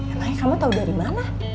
emangnya kamu tau dari mana